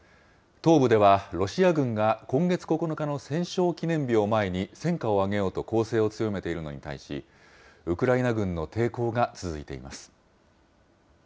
東部ではロシア軍が今月９日の戦勝記念日を前に戦果を上げようと攻勢を強めているのに対し、ウクライナ軍の抵抗が続いています。